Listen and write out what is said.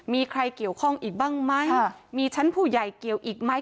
มีใครเกี่ยวข้องอีกบ้างไหมมีชั้นผู้ใหญ่เกี่ยวอีกไหม